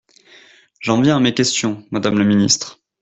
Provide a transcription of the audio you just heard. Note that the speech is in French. J’en viens à mes questions, madame la ministre.